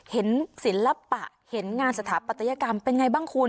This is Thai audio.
เห็นศิลปะเห็นงานสถาปัตยกรรมเป็นไงบ้างคุณ